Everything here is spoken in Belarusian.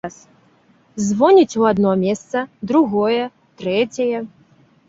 Звоніць у адно месца, другое, трэцяе.